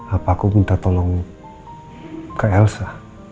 apa aku minta tolong ke elsa